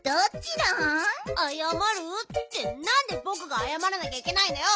ってなんでぼくがあやまらなきゃいけないんだよ！